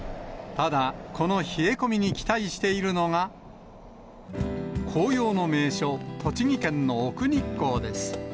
ただ、この冷え込みに期待しているのが、紅葉の名所、栃木県の奥日光です。